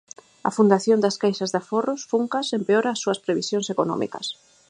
A Fundación das Caixas de Aforros, Funcas, empeora as súas previsións económicas.